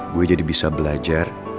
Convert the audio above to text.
gue jadi bisa belajar